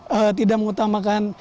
jadi tidak mengutamakan